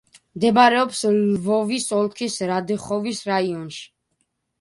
მდებარეობს ლვოვის ოლქის რადეხოვის რაიონში.